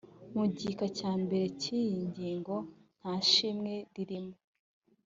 mu gika cya mbere cy’iyi ngingo nta shimwe ririmo